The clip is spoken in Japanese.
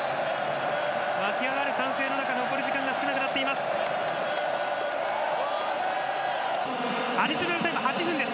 わき上がる歓声の中残り時間が少なくなっています。